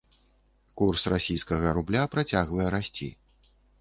Курс расійскага рубля працягвае расці.